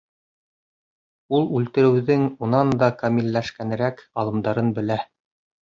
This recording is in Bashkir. Ул үлтереүҙең унан да камилләшкәнерәк алымдарын белә.